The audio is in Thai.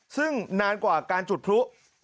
ซึ่งนานกว่าการจุดพลุ